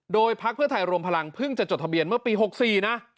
โดยพักเพื่อไทยรวมพลังเพิ่งจะจดทะเบียนเมื่อปี๖๔นะ